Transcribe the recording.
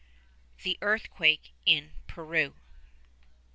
_THE EARTHQUAKE IN PERU.